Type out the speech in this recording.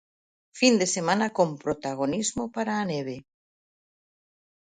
Fin de semana con protagonismo para a neve.